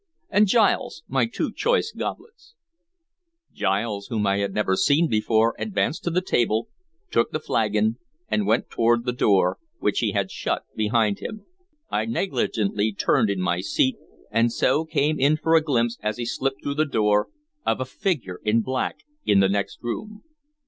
And Giles, my two choice goblets." Giles, whom I had never seen before, advanced to the table, took the flagon, and went toward the door, which he had shut behind him. I negligently turned in my seat, and so came in for a glimpse, as he slipped through the door, of a figure in black in the next room.